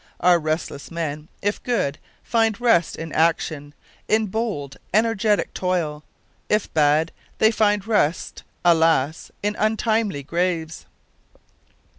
Our restless men, if good, find rest in action; in bold energetic toil; if bad, they find rest, alas! in untimely graves.